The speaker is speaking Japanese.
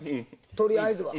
とりあえずは。